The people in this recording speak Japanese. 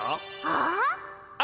ああ？